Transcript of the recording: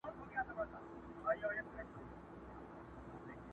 ګونګ یې کی زما تقدیر تقدیر خبري نه کوي،